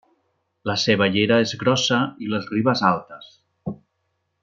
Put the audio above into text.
La seva llera és grossa i les ribes altes.